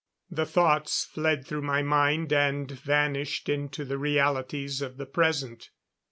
The thoughts fled through my mind and vanished into the realities of the present.